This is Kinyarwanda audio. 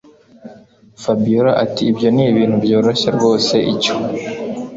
Fabiora ati ibyo ni ibintu byoroshye rwose icyo